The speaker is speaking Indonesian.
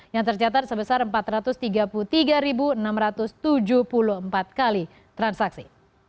yang tercatat sebesar empat ratus tiga puluh tiga enam ratus tujuh puluh empat kali transaksi